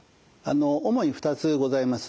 主に２つございます。